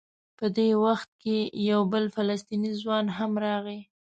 په دې وخت کې یو بل فلسطینی ځوان هم راغی.